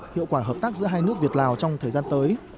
hiệu quả hợp tác giữa hai nước việt lào trong thời gian tới